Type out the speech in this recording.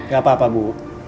gak apa apa bu